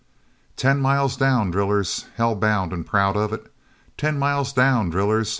"Ten miles down, drillers! Hell bound, and proud of it! Ten miles down, drillers!